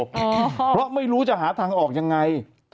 เพราะไม่รู้จะหาทางออกยังไง